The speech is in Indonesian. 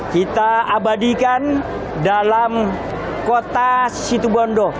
kita abadikan dalam kota situbondo